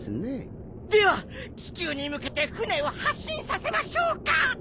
では地球に向けて船を発進させましょうか？